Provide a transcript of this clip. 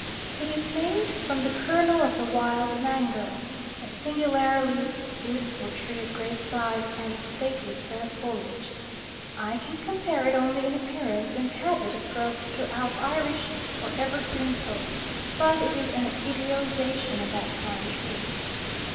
It is made from the kernel of the wild mango, a singularly beautiful tree of great size and stately spread of foliage. I can compare it only in appearance and habit of growth to our Irish, or evergreen, oak, but it is an idealisation of that fine tree.